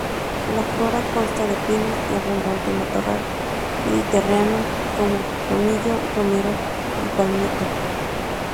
La flora consta de pinos y abundante matorral mediterráneo, como tomillo, romero y palmito.